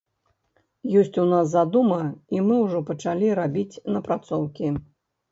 Ёсць у нас задума, і мы ўжо пачалі рабіць напрацоўкі.